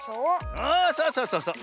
あそうそうそうそう。